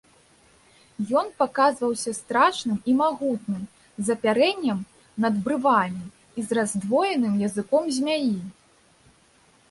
Ён паказваўся страшным і магутным, з апярэннем над брывамі і раздвоеным языком змяі.